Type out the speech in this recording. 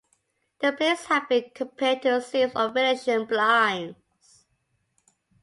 The plates have been compared to sieves or Venetian blinds.